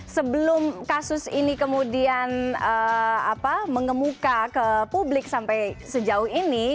sebelum kasus ini kemudian mengemuka ke publik sampai sejauh ini